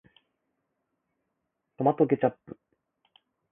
トマトケチャップ